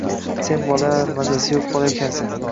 Sen bola, mazasi yo‘q bola ekansan.